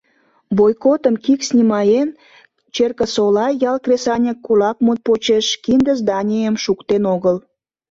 Бойкотым кик снимаен, Черкесола ял кресаньык кулак мут почеш кинде заданийым шуктен огыл.